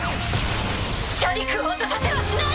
シャディクを墜とさせはしない！